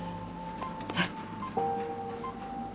えっ？